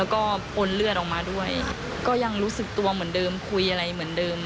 แล้วก็ปนเลือดออกมาด้วยก็ยังรู้สึกตัวเหมือนเดิมคุยอะไรเหมือนเดิม